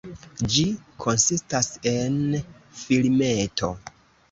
Ĝi konsistas en filmeto.